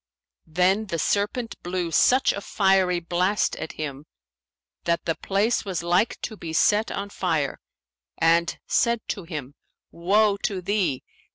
Then the serpent blew such a fiery blast at him, that the place was like to be set on fire, and said to him, Woe to thee!